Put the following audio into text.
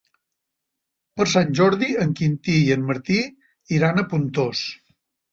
Per Sant Jordi en Quintí i en Martí iran a Pontós.